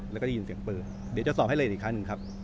แล้วก็ได้ยินเสียงปืนเดี๋ยวจะสอบให้ละเอียดอีกครั้งหนึ่งครับ